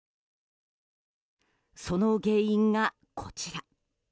その原因が、こちら。